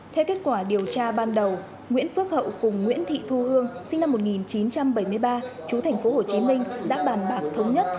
theo kết quả điều tra ban đầu nguyễn phước hậu cùng nguyễn thị thu hương sinh năm một nghìn chín trăm bảy mươi ba chú thành phố hồ chí minh đã bàn bạc thống nhất